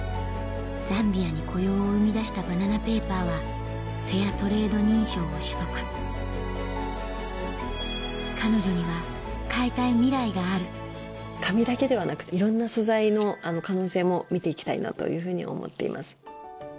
ザンビアに雇用を生み出したバナナペーパーは彼女には変えたいミライがある紙だけではなくていろんな素材の可能性も見ていきたいなというふうに思っています。